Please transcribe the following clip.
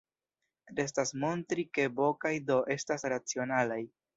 Restas montri ke "b" kaj "d" estas racionalaj.